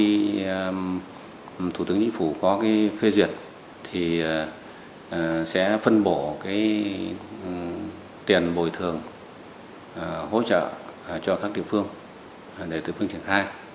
sau khi thủ tướng chính phủ có cái phê duyệt thì sẽ phân bổ cái tiền bồi thường hỗ trợ cho các địa phương để từ phương trình khai